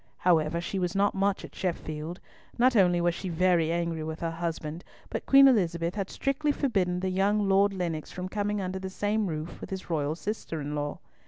However, she was not much at Sheffield. Not only was she very angry with her husband, but Queen Elizabeth had strictly forbidden the young Lord Lennox from coming under the same roof with his royal sister in law.